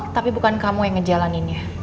tapi bukan kamu yang ngejalaninnya